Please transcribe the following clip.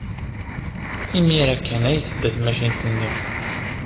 Imir-a kan ay tedda tmacint-nni.